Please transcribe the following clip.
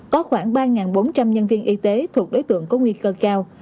có khoảng ba bốn trăm linh nhân viên y tế thuộc đối tượng có nguy cơ cao